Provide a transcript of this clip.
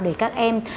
để các em